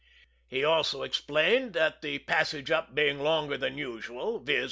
He also explained that, the passage up being longer than usual, viz.